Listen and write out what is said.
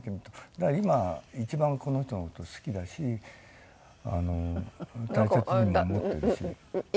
だから今一番この人の事好きだし大切にも思ってるんですよ。